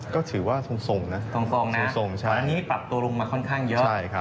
ก็ถือว่าทรงทรงนะทรงทรงนะทรงทรงใช่ตอนนี้ปรับตัวลงมาค่อนข้างเยอะใช่ครับ